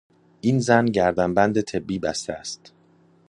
این زن گردن بند طبی بسته است..